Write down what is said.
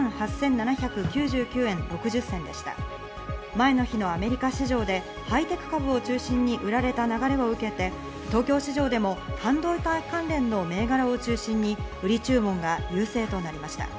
前の日のアメリカ市場でハイテク株を中心に売られた流れを受けて東京市場でも半導体関連の銘柄を中心に売り注文が優勢となりました。